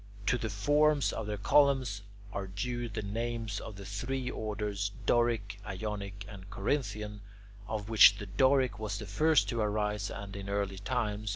To the forms of their columns are due the names of the three orders, Doric, Ionic, and Corinthian, of which the Doric was the first to arise, and in early times.